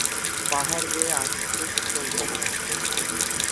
পাহাড় বেয়ে আসছে শীতল বাতাস।